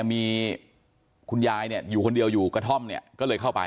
มีคุณยายอยู่คนเดียวอยู่กระท่อมก็เลยเข้าไป